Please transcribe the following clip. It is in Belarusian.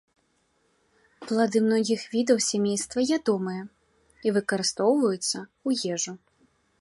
Плады многіх відаў сямейства ядомыя і выкарыстоўваюцца ў ежу.